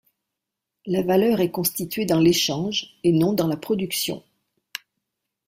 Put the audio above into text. La valeur est constituée dans l'échange et non dans la production.